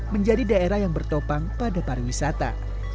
menjadi daerah yang bertopang pada pariwisata